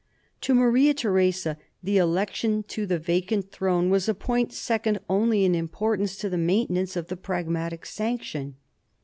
To Maria Theresa the election to the vacant throne was a point second only in importance to the mainte nance of the Pragmatic Sanction.